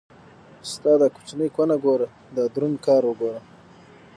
ستا دا کوچنۍ کونه ګوره دا دروند کار وګوره.